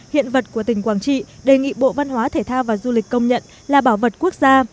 hiện vật của tỉnh quảng trị đề nghị bộ văn hóa thể thao và du lịch công nhận là bảo vật quốc gia